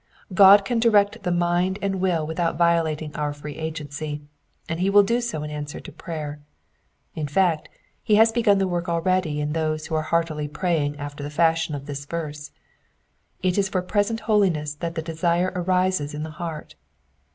God can direct the mind and will without violating our free agency, and he will do so in answer to prayer ; in fact, he has begun the work already in those who are heartily praying after the fashion of this verse. It is for present holiness that the desire arises in the heart.